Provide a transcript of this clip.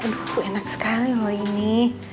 aduh enak sekali mau ini